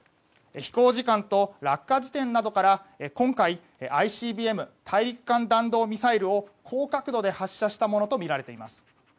飛行時間と落下地点などから今回ＩＣＢＭ・大陸間弾道ミサイルを高角度で発射したものとみられています。